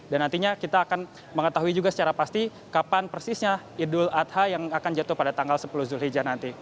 dan nantinya kita akan mengetahui juga secara pasti kapan persisnya idul adha yang akan jatuh pada tanggal sepuluh zulhijjah nanti